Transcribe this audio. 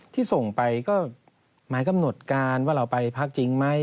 ที่ส่งไปก็หมายกำหนดการว่าเราไปพักจริงไหม